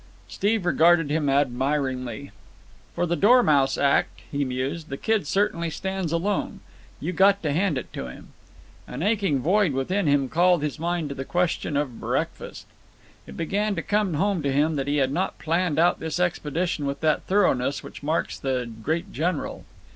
Steve regarded him admiringly. "For the dormouse act," he mused, "that kid certainly stands alone. You got to hand it to him." An aching void within him called his mind to the question of breakfast. It began to come home to him that he had not planned out this expedition with that thoroughness which marks the great general.